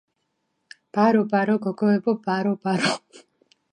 ბარო ბარო გოგოებო ბარო ბარო